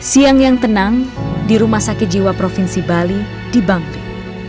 siang yang tenang di rumah sakit jiwa provinsi bali di bangpi